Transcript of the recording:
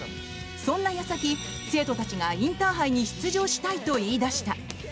そんな矢先、生徒たちがインターハイに出場したいと言い出した。